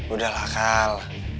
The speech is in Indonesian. udah lah kal